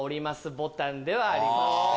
ボタンではありません。